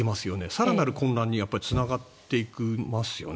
更なる混乱にやっぱりつながっていきますよね。